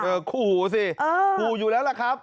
ขู่สิขู่อยู่แล้วล่ะครับ